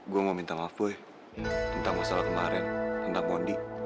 gue mau minta maaf gue ya tentang masalah kemarin tentang mondi